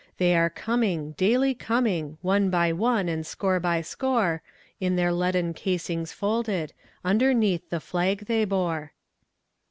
They are coming, daily coming, One by one, and score by score, In their leaden casings folded, Underneath the flag they bore.